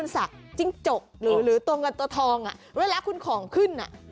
ใส่แรงล๊อคยังไงละเน